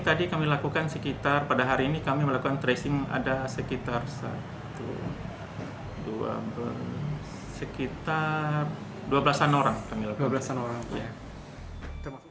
tadi kami lakukan sekitar pada hari ini kami melakukan tracing ada sekitar satu dua sekitar dua belas an orang